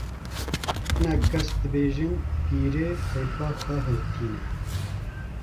hinek kes dibêjin pîrê heyfa xwe hiltîne